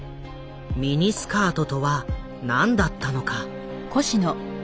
ミニスカートとは何だったのか。